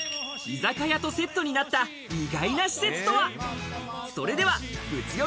居酒屋とセットになった意外な施設とは？